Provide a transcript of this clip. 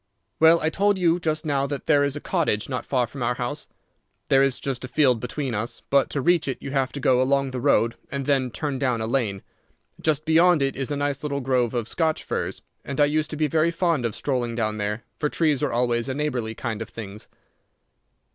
"Well, I told you just now that there is a cottage not far from our house. There is just a field between us, but to reach it you have to go along the road and then turn down a lane. Just beyond it is a nice little grove of Scotch firs, and I used to be very fond of strolling down there, for trees are always a neighbourly kind of things.